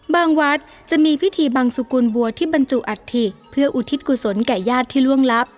วัดจะมีพิธีบังสุกุลบัวที่บรรจุอัฐิเพื่ออุทิศกุศลแก่ญาติที่ล่วงลับ